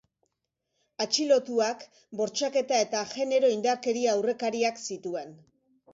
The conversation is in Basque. Atxilotuak bortxaketa eta genero indarkeria aurrekariak zituen.